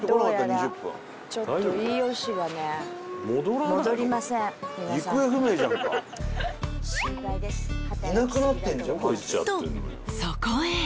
［とそこへ］